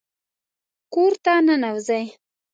کور ته ننوځئ